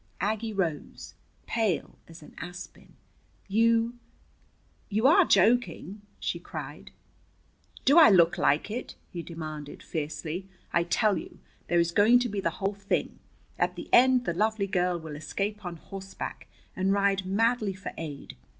Aggie rose, pale as an aspen. "You you are joking!" she cried. "Do I look like it?" he demanded fiercely. "I tell you there is going to be the whole thing. At the end the lovely girl will escape on horseback and ride madly for aid.